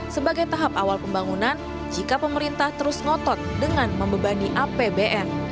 sebagai tahap awal pembangunan jika pemerintah terus ngotot dengan membebani apbn